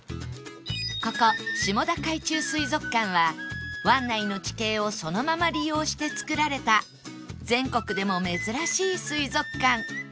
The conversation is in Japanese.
ここ下田海中水族館は湾内の地形をそのまま利用して造られた全国でも珍しい水族館